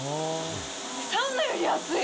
サウナよりあつい。